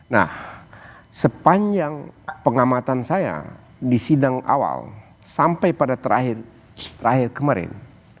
nah sepanjang pengamatan saya di sidang awal sampai pada terakhir kemarin